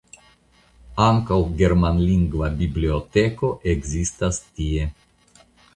Ankaŭ germanlingva biblioteko ekzistas tie.